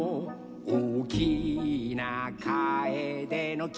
「おおきなカエデの木」